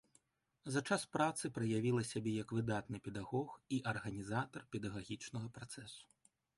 За час працы праявіла сябе як выдатны педагог і арганізатар педагагічнага працэсу.